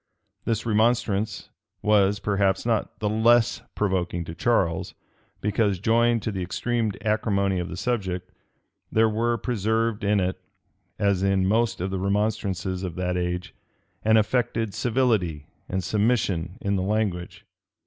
[] This remonstrance was, perhaps, not the less provoking to Charles, because, joined to the extreme acrimony of the subject, there were preserved in it, as in most of the remonstrances of that age, an affected civility and submission in the language.